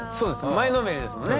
前のめりですもんね。